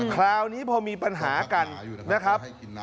คราวนี้พอมีปัญหากันนะครับ